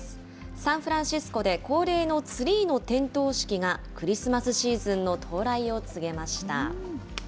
サンフランシスコで恒例のツリーの点灯式がクリスマスシーズンの到来を告げました。